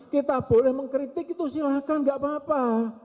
kita boleh mengkritik itu silahkan gak apa apa